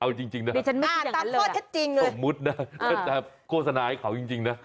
เอาจริงนะครับสมมุตินะแต่โฆษณาให้เขาจริงนะ